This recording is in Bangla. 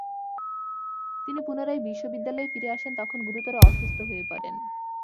তিনি পুনরায় বিশ্ববিদ্যালয়ে ফিরে আসেন তখন গুরুতর অসুস্থ হয়ে পড়েন।